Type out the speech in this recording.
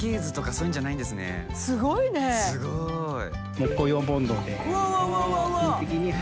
木工用ボンドで。